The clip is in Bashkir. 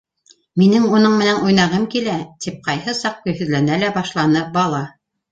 Минең уның менән уйнағым килә! - тип ҡайһы саҡ көйһөҙләнә лә башланы бала.